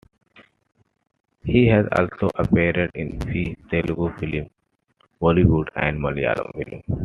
He has also appeared in few Telugu films, Bollywood and Malayalam films.